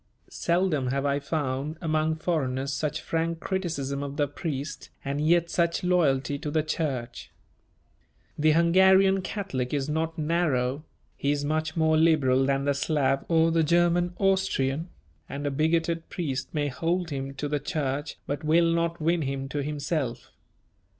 Seldom have I found among foreigners such frank criticism of the priest and yet such loyalty to the Church. The Hungarian Catholic is not narrow; he is much more liberal than the Slav or the German Austrian, and a bigoted priest may hold him to the Church but will not win him to himself.